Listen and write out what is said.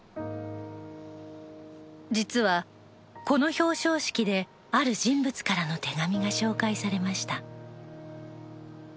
実は、この表彰式である人物からの手紙が紹介されました。